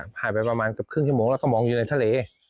ผ่านไปประมาณเกือบครึ่งชั่วโมงแล้วก็มองอยู่ในทะเล